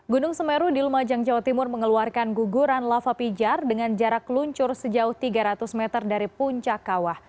gunung semeru di lumajang jawa timur mengeluarkan guguran lava pijar dengan jarak luncur sejauh tiga ratus meter dari puncak kawah